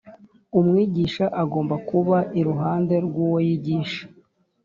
Umwigisha agomba kuba iruhande rw'uwo yigisha